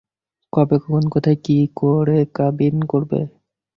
কবে, কখন, কোথায় কী করে কাবিন করবে?